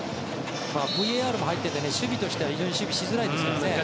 ＶＡＲも入っていて守備としては非常にしづらいですからね。